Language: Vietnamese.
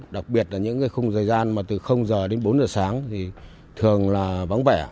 đặc biệt là những khung dày gian mà từ giờ đến bốn giờ sáng thì thường là vắng vẻ